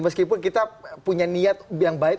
meskipun kita punya niat yang baik